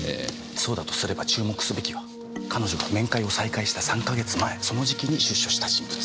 そうだとすれば注目すべきは彼女が面会を再開した３か月前その時期に出所した人物。